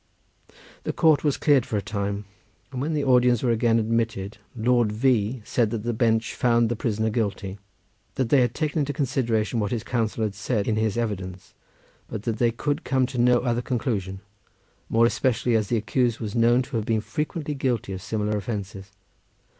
The court was cleared for a time, and when the audience were again admitted, Lord V— said that the Bench found the prisoner guilty; that they had taken into consideration what his counsel had said in his defence, but that they could come to no other conclusion, more especially as the accused was known to have been frequently guilty of similar offences.